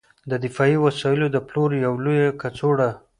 د دفاعي وسایلو د پلور یوه لویه کڅوړه